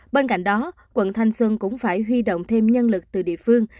bên cạnh đó quận thanh xuân cũng phải huy động thêm nhân lực từ địa phương